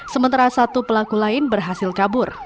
sementara satu pelaku lain berhasil kabur